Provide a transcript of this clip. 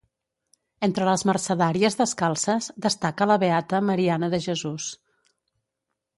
Entre les mercedàries descalces destaca la beata Mariana de Jesús.